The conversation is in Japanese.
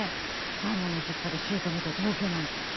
旦那の実家で姑と同居なんて。